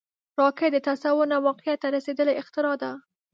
راکټ د تصور نه واقعیت ته رسیدلی اختراع ده